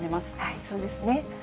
そうですね。